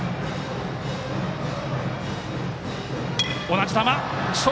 同じ球。